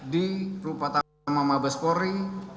di rupatan mama beskori